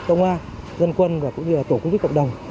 công an dân quân và cũng như là tổ quốc tế cộng đồng